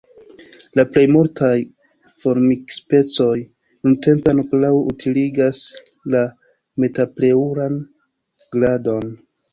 La plej multaj formikspecoj nuntempe ankoraŭ utiligas la metapleŭran glandon.